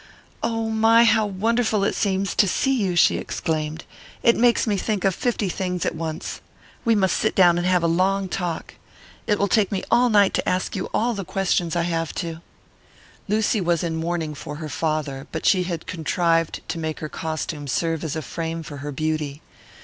"Oh, my, how wonderful it seems to see you!" she exclaimed. "It makes me think of fifty things at once. We must sit down and have a long talk. It will take me all night to ask you all the questions I have to." Lucy was in mourning for her father, but she had contrived to make her costume serve as a frame for her beauty.